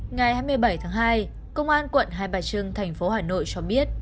ngày hai mươi bảy tháng hai công an quận hai bà trưng thành phố hà nội cho biết